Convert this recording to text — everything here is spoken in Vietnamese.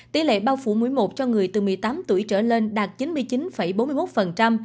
tỷ lệ bao phủ mũi một cho người từ một mươi tám tuổi trở lên đạt chín mươi chín bốn mươi một